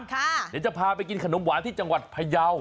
เดี๋ยวจะพาไปกินขนมหวานที่จังหวัดพยาว